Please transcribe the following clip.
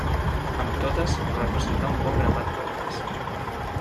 Amb totes representà un bon grapat d'obres.